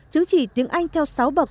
chứng chỉ tiếng anh theo sáu bậc